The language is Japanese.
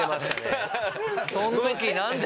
そん時何で？